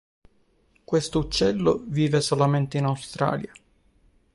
Questo uccello vive solamente in Australia.